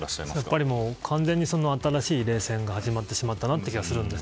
やっぱり完全に新しい冷戦が始まってしまった気がします。